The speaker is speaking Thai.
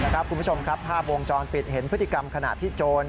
คุณผู้ชมครับภาพวงจรปิดเห็นพฤติกรรมขณะที่โจร